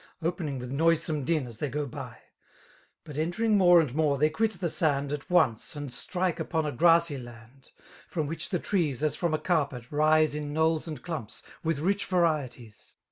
Opening with noisome din, as they go by. But entering more and more, they quit the sand At once> and strike upon a grassy klnd> Prom which the trees^ as from a carpet, ris6 In knolls and clumps, with rich varieties.